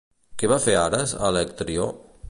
Què va fer Ares a Alectrió?